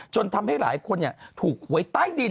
ทำให้หลายคนถูกหวยใต้ดิน